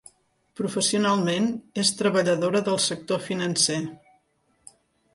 Professionalment, és treballadora del sector financer.